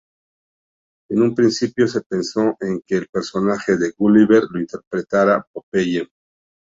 En un principio se pensó en que el personaje de Gulliver lo interpretara Popeye.